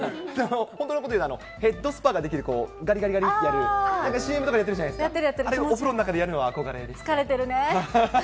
本当のこと言うと、ヘッドスパができる、がりがりがりってやる、なんかＣＭとかやってるじゃないですか、あれをお風呂の中でやる疲れてるねー。